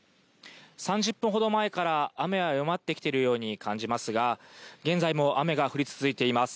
３０分ほど前から雨は弱まってきているように感じますが現在も雨が降り続いています。